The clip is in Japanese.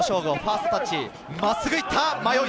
真っすぐ行った！